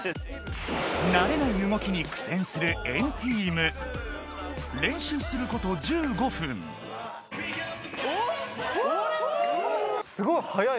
慣れない動きにする ＆ＴＥＡＭ 練習すること１５分フゥ！